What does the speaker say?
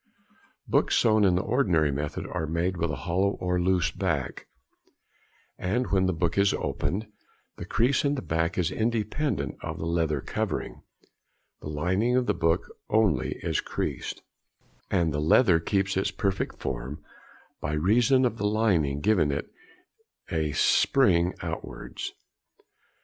Books sewn in the ordinary method are made with a hollow or loose back, and when the book is opened, the crease in the back is independent of the leather covering; the lining of the back only is creased, and the leather keeps its perfect form, by reason of the lining giving it a spring outwards.